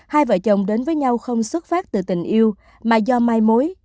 hai vợ chồng đến với nhau không xuất phát từ tình yêu mà do mai mối